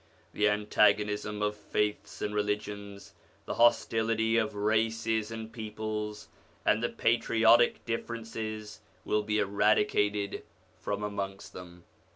The antagonism of faiths and religions, the hostility of races and peoples, and the patriotic differences, will be eradicated from amongst them.